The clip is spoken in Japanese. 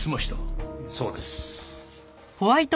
そうです。